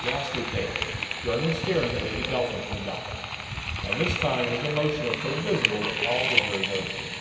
Ghastly pale, Gurn was staring at Lady Beltham from the dock; and this time his emotion was so visible that all the jury noticed it.